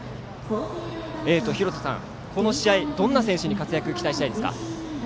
ひろたさん、この試合どんな選手に活躍を期待したいですか？